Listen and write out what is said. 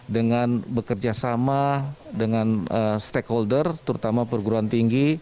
dengan bekerjasama dengan stakeholder terutama perguruan tinggi